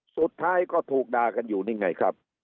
สุดท้ายก็ถูกด่ากันอยู่นี่ไงครับ